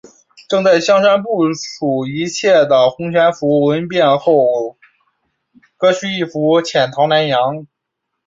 正在香山部署一切的洪全福闻变后割须易服潜逃南洋。